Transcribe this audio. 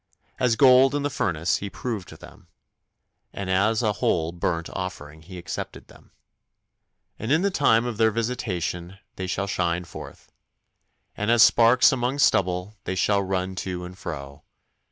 As gold in the furnace He proved them, And as a whole burnt offering He accepted them. And in the time of their visitation they shall shine forth, And as sparks among stubble they shall run to and fro.